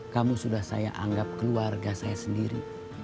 kamu sudah saya anggap keluarga saya sendiri